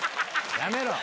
やめろ。